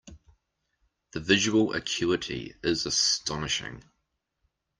The visual acuity is astonishing.